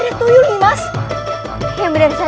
jangan dibel bible apa